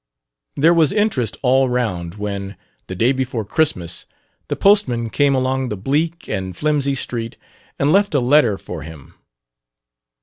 There was interest all round when, the day before Christmas, the postman came along the bleak and flimsy street and left a letter for him.